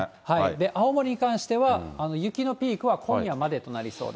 青森に関しては、雪のピークは今夜までとなりそうです。